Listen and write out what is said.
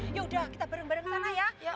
yaudah kita bareng bareng sana ya